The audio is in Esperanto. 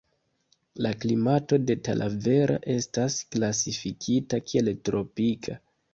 La klimato de Talavera estas klasifikita kiel tropika.